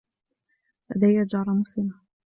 لديّ جارة مسلمة.